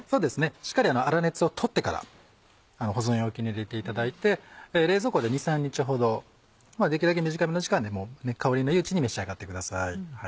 しっかり粗熱を取ってから保存容器に入れていただいて冷蔵庫で２３日ほどできるだけ短めの時間で香りのいいうちに召し上がってください。